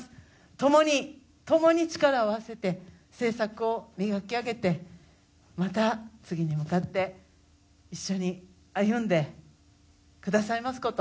共に、共に力を合わせて政策を磨き上げてまた次に向かって一緒に歩んでくださいますこと